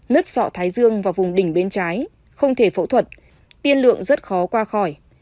nứt sọ thái dương và vùng đỉnh bên trái không thể phẫu thuật tiên lượng rất khó qua khỏi